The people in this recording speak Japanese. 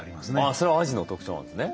それはアジの特徴なんですね。